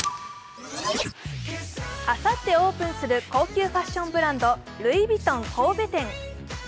あさってオープンする高級ファッションブランド、ルイ・ヴィトン神戸店。